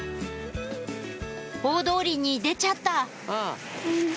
大通りに出ちゃった